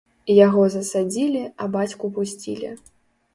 Яго засадзілі, а бацьку пусцілі.